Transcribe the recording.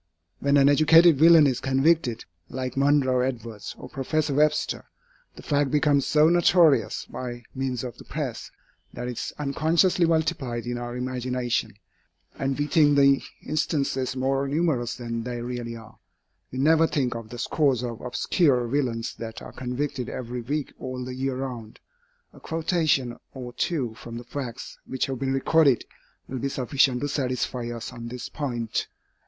When an educated villain is convicted, like Monroe Edwards or Professor Webster, the fact becomes so notorious by means of the press, that it is unconsciously multiplied in our imagination, and we think the instances more numerous than they really are. We never think of the scores of obscure villains that are convicted every week all the year round. A quotation or two from the facts which have been recorded, will be sufficient to satisfy us on this point.